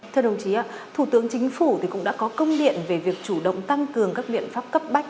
thưa đồng chí thủ tướng chính phủ cũng đã có công điện về việc chủ động tăng cường các biện pháp cấp bách